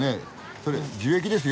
それ樹液ですよ。